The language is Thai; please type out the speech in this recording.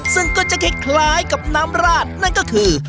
ซึ่งก็จะคล้ายกับน้ำราดนั่นก็คือ